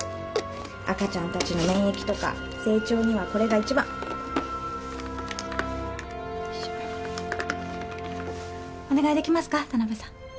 赤ちゃんたちの免疫とか成長にはこれが一番お願いできますか田辺さん？